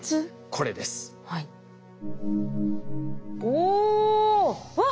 おっ！